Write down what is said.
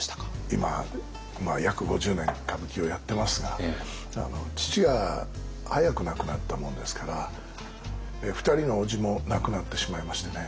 今約５０年歌舞伎をやってますが父が早く亡くなったもんですから２人のおじも亡くなってしまいましてね